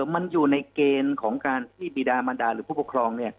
มันอยู่ในเกณฑ์ของการที่บีดามันดาหรือผู้ปกครอง